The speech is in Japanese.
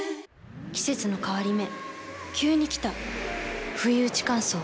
季節の変わり目急に来たふいうち乾燥。